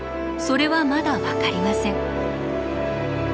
それはまだ分かりません。